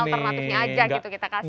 ini alternatifnya aja gitu kita kasih ya